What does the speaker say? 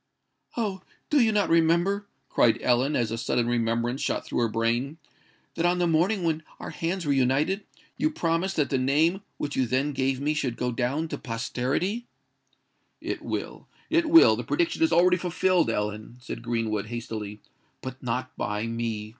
"Oh! do you not remember," cried Ellen, as a sudden reminiscence shot through her brain, "that on the morning when our hands were united, you promised that the name which you then gave me should go down to posterity?" "It will—it will: the prediction is already fulfilled, Ellen," said Greenwood, hastily;—"but not by me!"